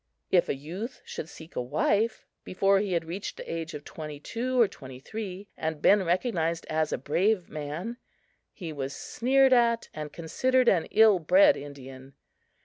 If a youth should seek a wife before he had reached the age of twenty two or twenty three, and been recognized as a brave man, he was sneered at and considered an ill bred Indian.